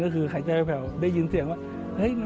ก็คือหายใจแบบได้ยินเสียงว่า